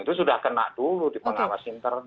itu sudah kena dulu di pengawas internal